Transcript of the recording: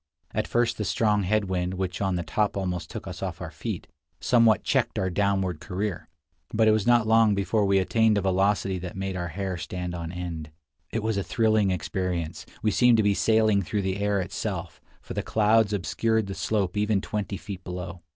At first the strong head wind, which on the top almost took us off our feet, somewhat checked our downward career, but it was not long before we attained a velocity that made our hair stand on end. It was a II 73 thrilling experience; we seemed to be sailing through the air itself, for the clouds obscured the slope even twenty feet below.